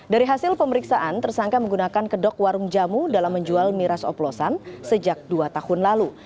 dari hasil pemeriksaan tersangka menggunakan kedok warung jamu dalam menjual miras oplosan sejak dua tahun lalu